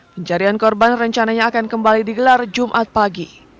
pencarian korban rencananya akan kembali digelar jumat pagi